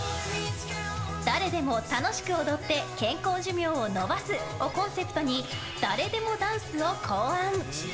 誰でも楽しく踊って健康寿命を延ばすをコンセプトにダレデモダンスを考案。